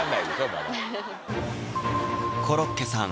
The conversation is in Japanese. まだコロッケさん